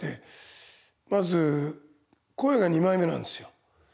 まず声が二枚目なんですよ。